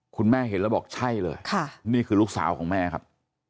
คุณแม่เห็นแล้วบอกใช่เลยนี่คือลูกสาวของแม่ครับ